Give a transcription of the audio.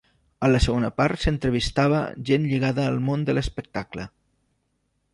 A la segona part s'entrevistava gent lligada al món de l'espectacle.